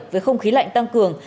với không khí lạnh tăng cường